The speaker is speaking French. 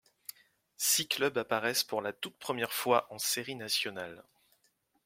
Six clubs apparaissent pour la toute première fois en séries nationales.